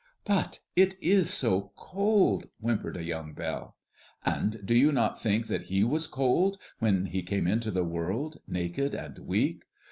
"But it is so cold!" whimpered a young bell. "And do you not think that He was cold, when He came into the world, naked and weak?